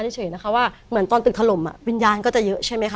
เฉยนะคะว่าเหมือนตอนตึกถล่มวิญญาณก็จะเยอะใช่ไหมคะ